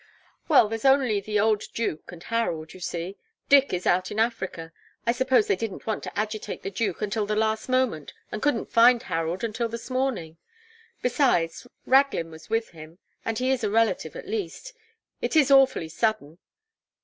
"Well, there's only the old duke and Harold, you see. Dick is out in Africa. I suppose they didn't want to agitate the duke until the last moment and couldn't find Harold until this morning. Besides, Raglin was with him, and he is a relative, at least. It is awfully sudden.